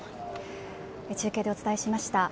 中継でお伝えしました。